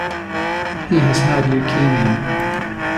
He has had leukaemia.